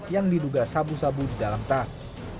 yang diduga sabu sabu di dalam tas